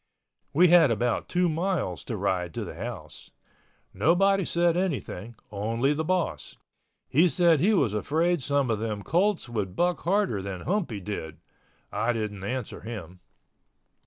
We had about two miles to ride to the house. Nobody said anything, only the boss. He said he was afraid some of them colts would buck harder than Humpy did. I didn't answer him.